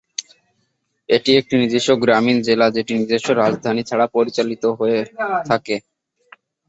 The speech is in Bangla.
এটি একটি নিজস্ব গ্রামীণ জেলা যেটি নিজস্ব রাজধানী ছাড়া পরিচালিত হয়ে থাকে।